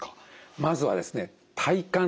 まずはですね